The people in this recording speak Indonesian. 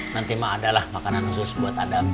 nanti mah ada lah makanan khusus buat adam